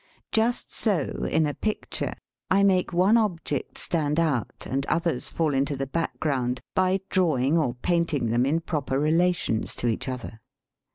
Just so, in a picture, I make one object stand out, 'and others fall into the background, by drawing or painting them in proper relations to each other.